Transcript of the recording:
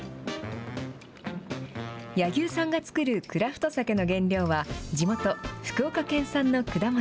柳生さんが造るクラフトサケの原料は、地元、福岡県産の果物。